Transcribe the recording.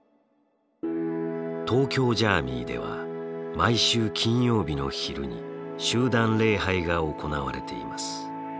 東京ジャーミイでは毎週金曜日の昼に集団礼拝が行われています。